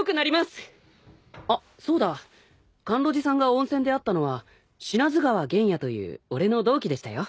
あっそうだ甘露寺さんが温泉で会ったのは不死川玄弥という俺の同期でしたよ。